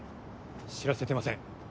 知らせてません。